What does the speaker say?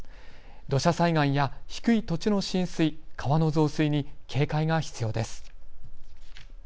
土砂災害や低い土地の浸水、川の増水に警戒が必要です。